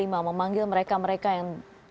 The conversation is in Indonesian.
memanggil mereka mereka yang